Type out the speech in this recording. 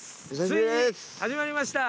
ついに始まりました。